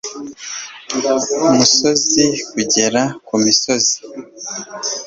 umusozi kugera kumusozi